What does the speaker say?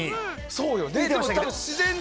そうよね。